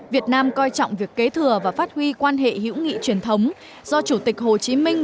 việt nam coi trọng việc kế thừa và phát huy quan hệ hữu nghị truyền thống do chủ tịch hồ chí minh